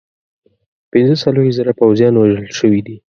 پنځه څلوېښت زره پوځیان وژل شوي دي.